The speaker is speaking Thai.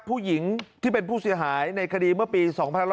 ผู้หญิงที่เป็นผู้เสียหายในคดีเมื่อปี๒๕๖๐